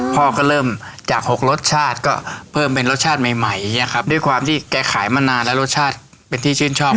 พ่อก็เริ่มจากหกรสชาติก็เพิ่มเป็นรสชาติใหม่ใหม่อย่างเงี้ครับด้วยความที่แกขายมานานแล้วรสชาติเป็นที่ชื่นชอบ